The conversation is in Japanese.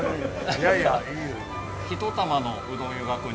いやいやいいです。